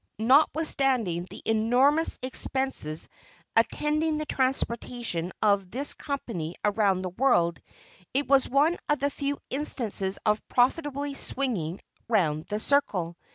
Notwithstanding the enormous expenses attending the transportation of this company around the world, it was one of the few instances of profitably "swinging round the circle."